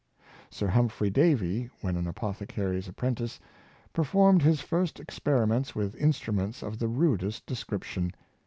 Davy — Faraday. 255 Sir Humphrey Davy, when an apothecary's appi en tice, performed his first experiments with instruments of the rudest description.